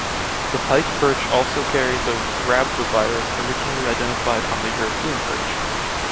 The pike perch also carries a rhabdovirus originally identified on the European perch.